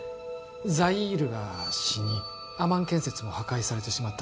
ザイールが死にアマン建設も破壊されてしまった